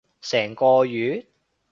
成個月？